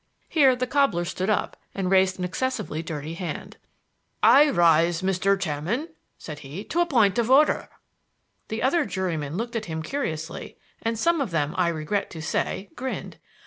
Here the cobbler stood up and raised an excessively dirty hand. "I rise, Mr. Chairman," said he, "to a point of order." The other jurymen looked at him curiously and some of them, I regret to say, grinned.